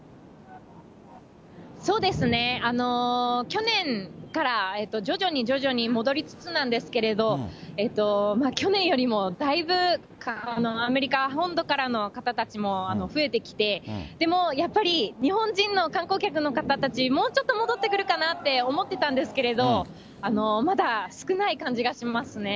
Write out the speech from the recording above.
去年から徐々に徐々に戻りつつなんですけれど、去年よりもだいぶアメリカ本土からの方たちも増えてきて、でもやっぱり日本人の観光客の方たち、もうちょっと戻ってくるかなって思ってたんですけれども、まだ少ない感じがしますね。